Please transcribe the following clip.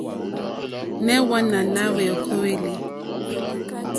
Nɛh Hwaana na hweyokoeli?